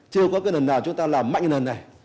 chưa có cái lần nào chúng ta làm mạnh cái lần này